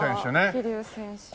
桐生選手。